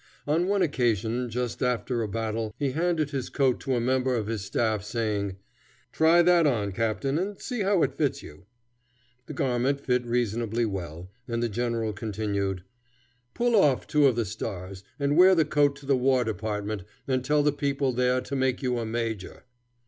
On one occasion, just after a battle, he handed his coat to a member of his staff, saying, "Try that on, captain, and see how it fits you." The garment fitted reasonably well, and the general continued, "Pull off two of the stars, and wear the coat to the war department, and tell the people there to make you a major."